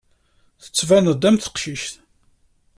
Tettbaneḍ-d am teqcict.